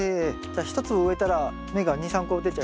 じゃあ１粒植えたら芽が２３個出ちゃう。